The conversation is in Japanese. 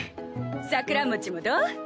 桜餅もどう？